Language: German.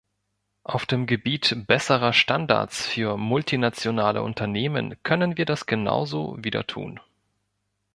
Auf dem Gebiet besserer Standards für multinationale Unternehmen können wir das genauso wieder tun.